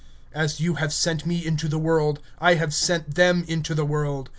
(18)As thou didst send me into the world, I also sent them into the world.